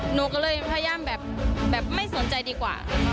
หนูก็เลยพยายามแบบไม่สนใจดีกว่า